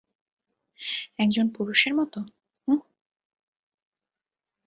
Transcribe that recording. একজন পুরুষের মত, হুহ?